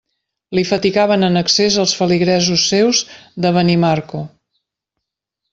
Li fatigaven en excés els feligresos seus de Benimarco.